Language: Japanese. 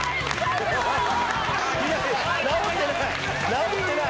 治ってない！